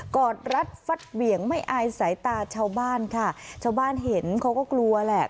อดรัดฟัดเหวี่ยงไม่อายสายตาชาวบ้านค่ะชาวบ้านเห็นเขาก็กลัวแหละ